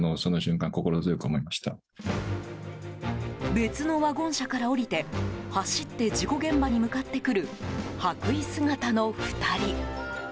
別のワゴン車から降りて走って事故現場に向かってくる白衣姿の２人。